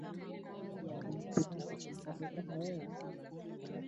wanajaribu kuonyesha jitihada zao katika jamii ikiwa ni pamoja na